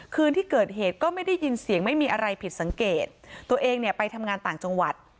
คืนที่เกิดเหตุก็ไม่ได้ยินเสียงไม่มีอะไรผิดสังเกตตัวเองเนี่ยไปทำงานต่างจังหวัด